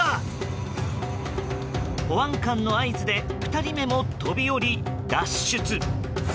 保安官の合図で２人目も飛び降り、脱出。